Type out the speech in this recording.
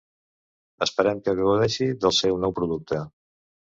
Esperem que gaudexi del seu nou producte.